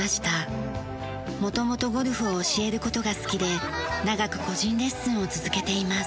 元々ゴルフを教える事が好きで長く個人レッスンを続けています。